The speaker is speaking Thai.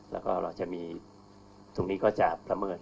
แล้วก็เราจะมีตรงนี้ก็จะประเมิน